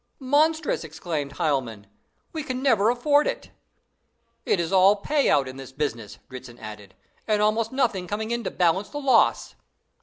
"Monstrous!" exclaimed Hielman; "we can never afford it." "It is all pay out in this business," Dritzhn added, "and almost nothing coming in to balance the loss."